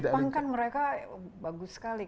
kan jepang mereka bagus sekali